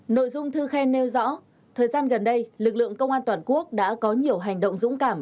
nội dung thư khen nêu rõ thời gian gần đây lực lượng công an toàn quốc đã có nhiều hành động dũng cảm